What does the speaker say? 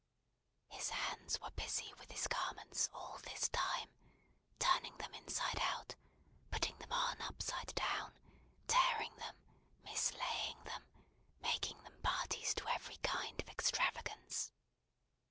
His hands were busy with his garments all this time; turning them inside out, putting them on upside down, tearing them, mislaying them, making them parties to every kind of extravagance.